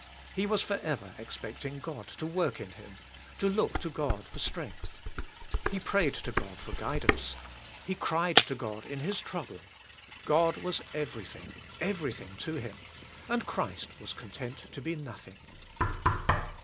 He was forever ex pecting God to work in Him, to look to God for strength. He prayed to God for guidance. He cried to God in His trouble. God was everything, everything to Him, and Christ was content to be nothing.